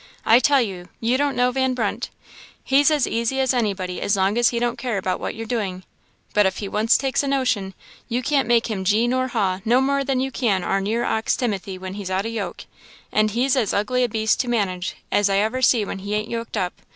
I tell you, you don't know Van Brunt; he's as easy as anybody as long as he don't care about what you're doing; but if he once takes a notion, you can't make him gee nor haw no more than you can our near ox Timothy when he's out o' yoke and he's as ugly a beast to manage as ever I see when he ain't yoked up.